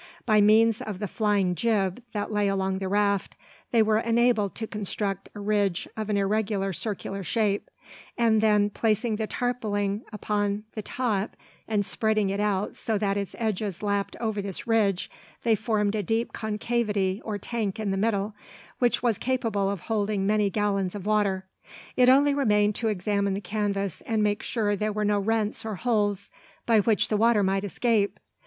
By means of the flying jib that lay along the raft, they were enabled to construct a ridge of an irregular circular shape; and then placing the tarpauling upon the top, and spreading it out so that its edges lapped over this ridge, they formed a deep concavity or "tank" in the middle, which was capable of holding many gallons of water. It only remained to examine the canvas, and make sure there were no rents or holes by which the water might escape.